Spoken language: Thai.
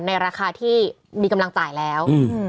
ในราคาที่มีกำลังจ่ายแล้ว